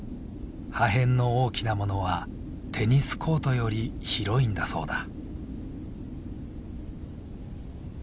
破片の大きなものはテニスコートより広いんだそうだ。